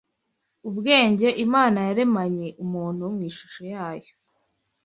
ubwenge Imana yaremanye umuntu mu ishusho yayo